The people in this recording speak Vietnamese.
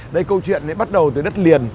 đây câu chuyện bắt đầu từ đất liền